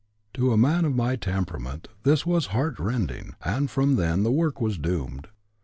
To a man of my temperament this was heart rending and from then the work was doomed.